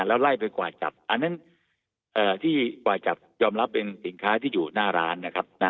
แล้วไล่ไปกวาดจับอันนั้นที่กว่าจับยอมรับเป็นสินค้าที่อยู่หน้าร้านนะครับ